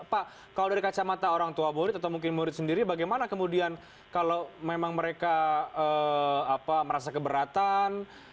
pak kalau dari kacamata orang tua murid atau mungkin murid sendiri bagaimana kemudian kalau memang mereka merasa keberatan